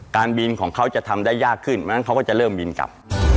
การบินของเขาจะทำได้ยากขึ้นเพราะฉะนั้นเขาก็จะเริ่มบินกลับ